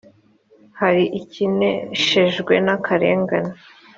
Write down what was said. hari ikeneshejwe n akarengane